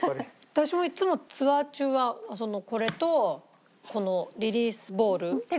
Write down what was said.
私もいつもツアー中はこれとこのリリースボール１個入れてます。